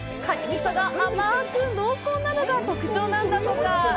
味噌が甘く、濃厚なのが特徴なんだとか。